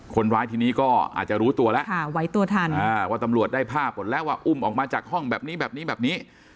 คนร้ายทีนี้ก็อาจจะรู้ตัวแล้วว่าตำรวจได้ภาพแล้วอุ่มออกมาจากห้องแบบนี้